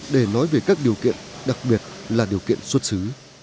để nói về các điều kiện đặc biệt là điều kiện xuất xứ